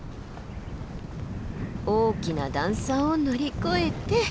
大きな段差を乗り越えて。